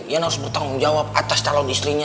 yang harus bertanggung jawab atas calon istrinya